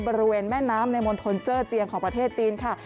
บริเวณแม่น้ำในมณฑลเจอร์เจียงของประเทศจีนค่ะ